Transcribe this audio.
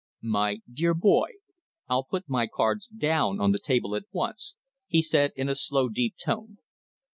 "My dear boy, I'll put my cards down on the table at once," he said in a slow, deep tone.